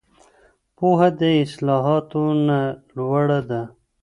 پوهه د اصطلاحاتو نه لوړه ده.